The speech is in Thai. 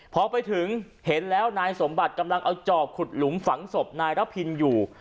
พอไปถึงเห็นแล้วนายสมบัติกำลังเอาจอบขุดหลุมฝังศพนายระพินอยู่